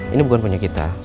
ini bukan punya kita